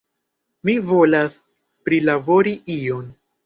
Mi volas prilabori ion!